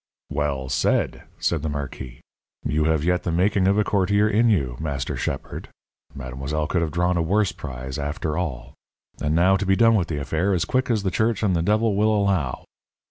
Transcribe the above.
"Well said!" said the marquis. "You have yet the making of a courtier in you, master shepherd. Mademoiselle could have drawn a worse prize, after all. And now to be done with the affair as quick as the Church and the devil will allow!"